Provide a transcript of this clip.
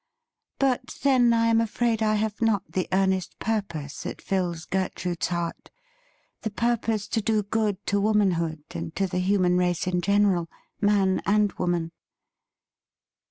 But, then, I am afraid I have not the earnest purpose that fills Gertrude's heart — the purpose to do good to womanhood and to the human race in general, man and woman.'